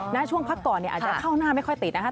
ในช่วงพักต่ออาจจะเข้าหน้าไม่ค่อยติดนะครับ